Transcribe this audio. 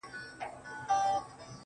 چي ستا تر تورو غټو سترگو اوښكي وڅڅيږي~